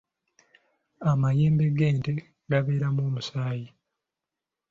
Amayembe g’ente gabeeramu omusaayi.